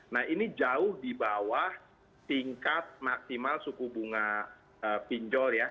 nah ini jauh di bawah tingkat maksimal suku bunga pinjol ya